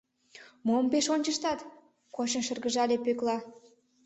— Мом пеш ончыштат? — кочын шыргыжале Пӧкла.